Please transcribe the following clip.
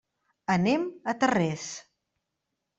Anem a Tarrés.